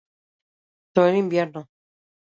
Todo en invierno